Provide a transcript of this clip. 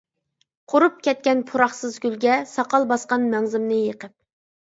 قۇرۇپ كەتكەن پۇراقسىز گۈلگە، ساقال باسقان مەڭزىمنى يېقىپ.